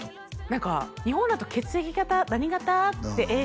何か日本だと「血液型何型？」って「Ａ型」